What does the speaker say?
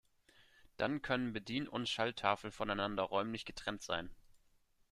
Dann können Bedien- und Schalttafel voneinander räumlich getrennt sein.